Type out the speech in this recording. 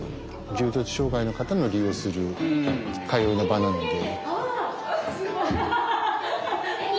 重度障害の方の利用するかような場なので。